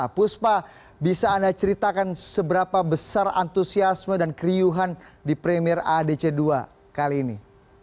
puspa bisa anda ceritakan seberapa besar antusiasme dan keriuhan di premier aadc dua kali ini